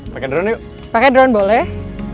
pakai drone dron boleh